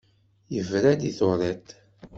Yebra-d i turiḍt.